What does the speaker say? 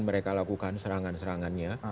mereka lakukan serangan serangannya